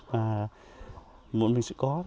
mà một mình sẽ có